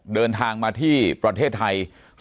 เดินทางมาที่ประเทศไทย